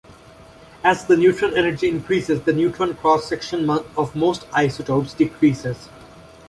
As the neutron energy increases, the neutron cross section of most isotopes decreases.